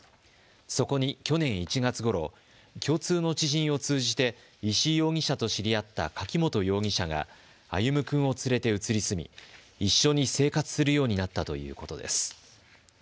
そこに去年１月ごろ共通の知人を通じて石井容疑者と知り合った柿本容疑者が歩夢君を連れて移り住み、一緒に生活するようになったということです。